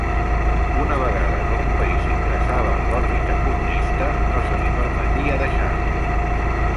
Una vegada que un país ingressava en l'òrbita comunista, no se li permetria deixar-la.